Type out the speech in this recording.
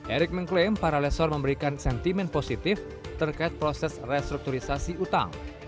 erick mengklaim para lesor memberikan sentimen positif terkait proses restrukturisasi utang